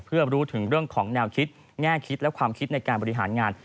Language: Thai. เพื่อรู้ถึงเรื่องของแนวคิดแง่คิดและความคิดในการบริหารงาน